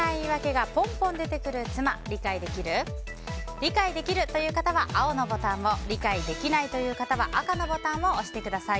理解できるという方は青のボタンを理解できないという方は赤のボタンを押してください。